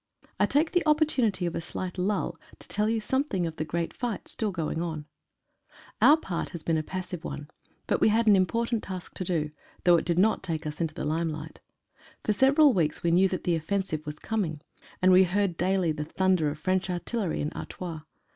I take the opportunity of a slight lull to tell you something of the great fight still going on Our part has been a passive one, but we had an im portant task to do, though it did not take us into the limelight. For several weeks we knew that the offensive was coming, and we heard daily the thunder of French artillery in Artois.